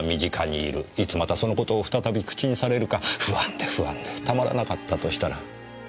いつまたそのことを再び口にされるか不安で不安でたまらなかったとしたら。